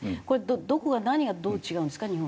これどこが何がどう違うんですか？